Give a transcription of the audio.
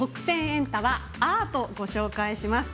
エンタ」はアートをご紹介します。